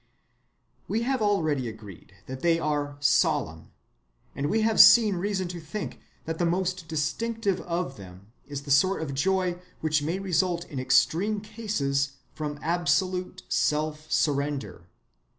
We have already agreed that they are solemn; and we have seen reason to think that the most distinctive of them is the sort of joy which may result in extreme cases from absolute self‐surrender.